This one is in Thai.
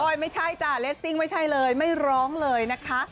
ไม่ใช่จ้ะเลสซิ่งไม่ใช่เลยไม่ร้องเลยนะคะ